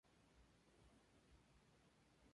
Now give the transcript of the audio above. Nadie habla de provocación comunista.